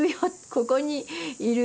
ここにいるよ。